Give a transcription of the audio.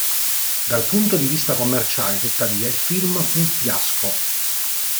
Dal punto di vista commerciale, tuttavia, il film fu un fiasco.